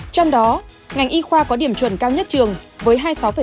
trong đó ngành y khoa có điểm chuẩn cao nhất trường với hai mươi sáu